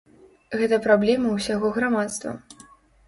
Гэта праблема ўсяго грамадства.